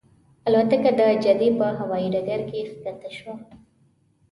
الوتکه د جدې په هوایي ډګر کې ښکته شوه.